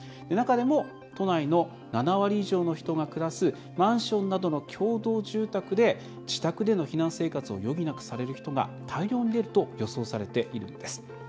中でも、都内の７割以上の人が暮らすマンションなどの共同住宅で自宅での避難生活を余儀なくされる人が大量に出ると予想されているんです。